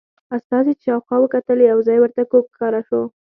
استازي چې شاوخوا وکتل یو ځای ورته کوږ ښکاره شو.